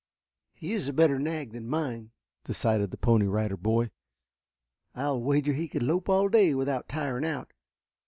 "He is a better nag than mine," decided the Pony Rider Boy. "I'll wager he could lope all day without tiring out.